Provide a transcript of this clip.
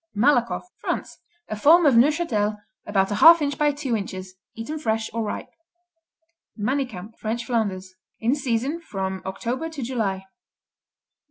Malakoff France A form of Neufchâtel about a half inch by two inches, eaten fresh or ripe. Manicamp French Flanders In season from October to July.